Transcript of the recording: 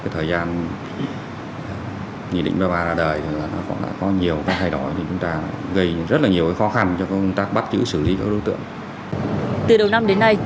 thời gian nhị định ba mươi ba ra đời có nhiều thay đổi gây rất nhiều khó khăn cho công tác bắt chữ xử lý